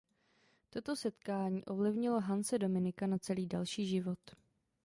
Toto setkání ovlivnilo Hanse Dominika na celý další život.